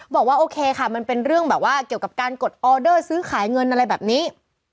บอกว่าโอเคค่ะมันเป็นเรื่องแบบว่าเกี่ยวกับการกดออเดอร์ซื้อขายเงินอะไรแบบนี้